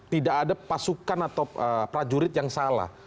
tidak ada pasukan atau prajurit yang salah